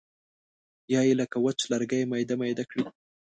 یا یې لکه وچ لرګی میده میده کړي.